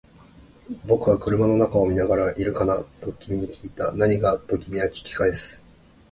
僕は車の中を見ながら、いるかな？と君に訊いた。何が？と君は訊き返す。